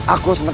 aku akan menang